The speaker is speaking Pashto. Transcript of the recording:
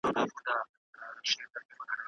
د انصاف تله باید تل برابره وي.